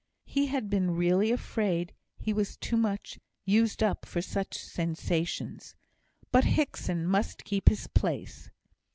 He had been really afraid he was too much "used up" for such sensations. But Hickson must keep his place.